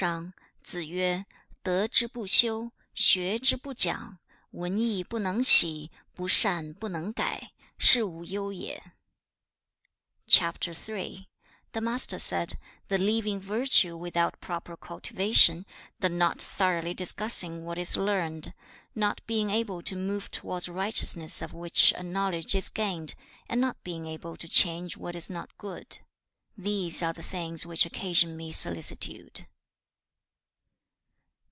III. The Master said, 'The leaving virtue without proper cultivation; the not thoroughly discussing what is learned; not being able to move towards righteousness of which a knowledge is gained; and not being able to change what is not good: these are the things which occasion me solicitude.'